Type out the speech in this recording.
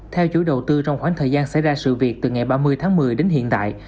theo chủ đầu tư trong khoảng thời gian xảy ra sự việc từ ngày ba mươi tháng một mươi đến hiện tại